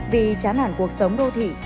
vì chán hẳn cuộc sống đô thị